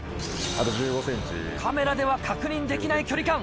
カメラでは確認できない距離感。